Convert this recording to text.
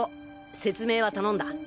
説明は頼んだ。